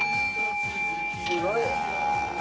すごい。